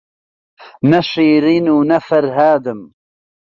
نە شیرین و نە فەرهادم